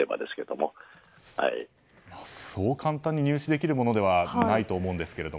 そう簡単に入手できるものではないと思うんですが。